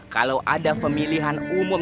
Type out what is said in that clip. kalau ada pemilihan umum